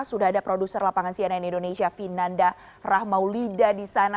sudah ada produser lapangan cnn indonesia vinanda rahmaulida di sana